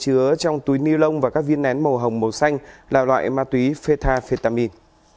chứa trong túi ni lông và các viên nén màu hồng màu xanh là loại ma túy metafetamin